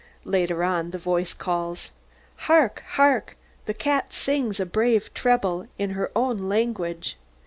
(Later on the Voice calls.) Hark! hark! the cat sings a brave treble in her own language.